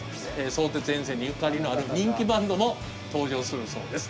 相鉄沿線にゆかりのある人気バンドも登場するそうです。